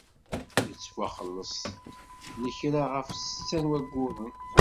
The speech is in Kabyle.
Yettwaxleṣ lekra ɣef setta n wayyuren.